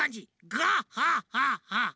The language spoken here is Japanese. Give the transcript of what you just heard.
ガッハッハッハッハ！